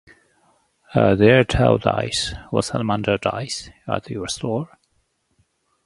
Are there tau dice, or salamander dice, at your store?